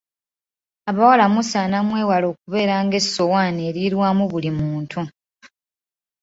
Abawala musaana mwewalae okubeera ng'essowaani erirwamu buli muntu.